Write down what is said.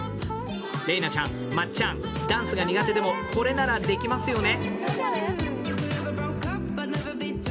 麗菜ちゃん、まっちゃん、ダンスが苦手でもこれならできますよね？